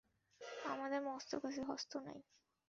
আমাদের মস্তক আছে, হস্ত নাই।